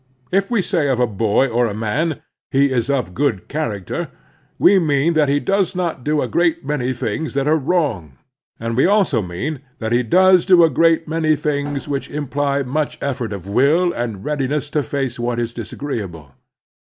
If we say of a boy or a man, *' He is of good character," we mean that he does not do a great many things that are wrong, and we also mean that he does do a great many things which imply much effort of will and readiness to face what is disagreeable.